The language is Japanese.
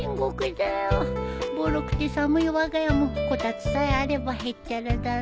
ぼろくて寒いわが家もこたつさえあればへっちゃらだね。